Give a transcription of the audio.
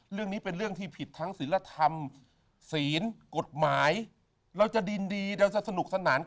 เรื่องนี้เป็นเรื่องที่ผิดทั้งศิลธรรมศีลกฎหมายเราจะดินดีเราจะสนุกสนาน